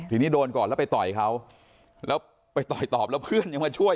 ทีนี้โดนก่อนแล้วไปต่อยเขาแล้วไปต่อยตอบแล้วเพื่อนยังมาช่วย